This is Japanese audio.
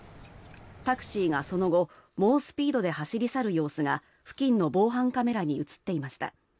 タクシーがその後猛スピードで走り去る様子が付近の防犯カメラに映っていました。